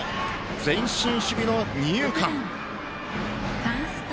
前進守備の二遊間。